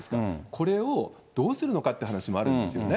これをどうするのかって話もあるんですよね。